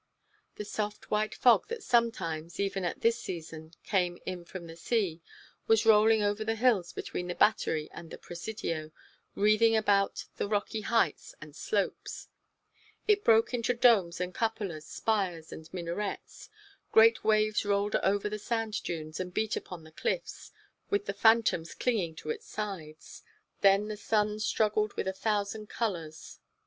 The soft white fog that sometimes, even at this season, came in from the sea, was rolling over the hills between the Battery and the Presidio, wreathing about the rocky heights and slopes. It broke into domes and cupolas, spires and minarets. Great waves rolled over the sand dunes and beat upon the cliffs with the phantoms clinging to its sides. Then the sun struggled with a thousand colors.